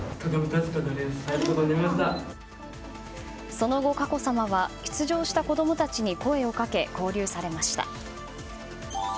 その後、佳子さまは出場した子供たちに声をかけ交流されました。